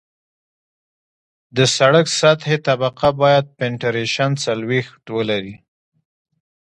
د سرک سطحي طبقه باید پینټریشن څلوېښت ولري